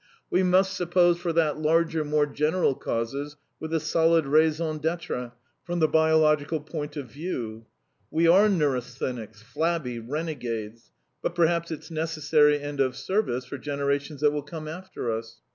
We must suppose for that larger, more general causes with a solid raison d'etre from the biological point of view. We are neurasthenics, flabby, renegades, but perhaps it's necessary and of service for generations that will come after us.